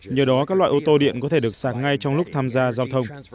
nhờ đó các loại ô tô điện có thể được sạc ngay trong lúc tham gia giao thông